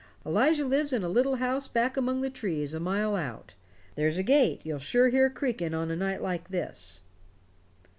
Elijah lives in a little house back among the trees a mile out there's a gate you'll sure hear creaking on a night like this."